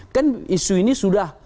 kan isu ini sudah